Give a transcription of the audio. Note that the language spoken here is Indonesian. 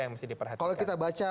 yang mesti diperhatikan kalau kita baca